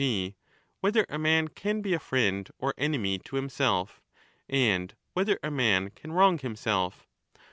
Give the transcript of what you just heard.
g. whether a man can be a friend ) or enemy to himself, and whether a man can wrong him ^ 20 self.